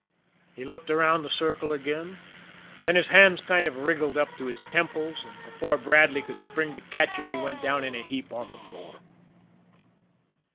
He looked around the circle again, then his hands kind of wriggled up to his temples and before Bradley could spring to catch him, he went down in a heap on the floor.